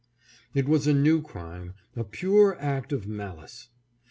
It was a new crime — a pure act of malice.